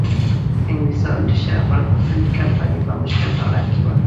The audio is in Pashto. انګلیسانو د شرق الهند کمپنۍ په مشکل حالت کې وه.